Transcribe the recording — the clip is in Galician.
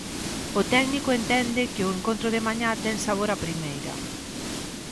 O técnico entende que o encontro de mañá ten sabor a primeira.